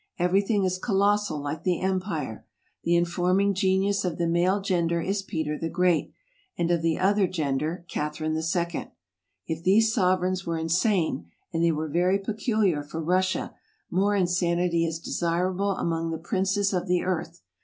Everything is colossal like the empire. The informing genius of the male gender is Peter the Great, and of the other gender Catherine II. If these sovereigns were insane and they were very peculiar for Russia, more insanity is de sirable among the princes of the earth.